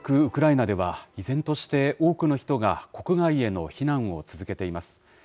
ウクライナでは、依然として、多くの人が国外への避難を続けています。